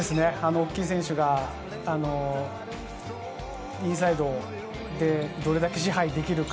大きい選手がインサイドでどれだけ支配できるか。